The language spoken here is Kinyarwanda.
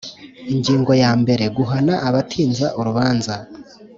Ingingo ya mbere Guhana abatinza urubanza